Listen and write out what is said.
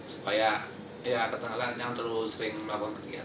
supaya ya ketahuan ketahuan jangan terus sering melakukan kegiatan